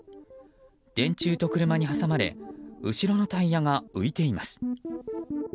電柱と車に挟まれ後ろのタイヤが浮いています。